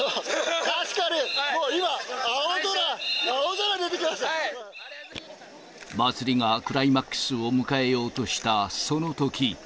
確かに、もう今、青空、はい！祭りがクライマックスを迎えようとしたそのとき。